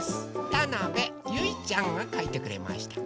たなべゆいちゃんがかいてくれました。